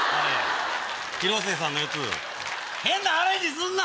広末さんのやつ変なアレンジすんな！